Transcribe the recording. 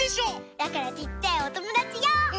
だからちっちゃいおともだちよう！